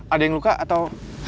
ada yang luka atau